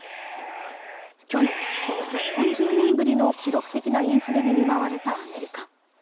去年、およそ４０年ぶりの記録的なインフレに見舞われたアメリカ。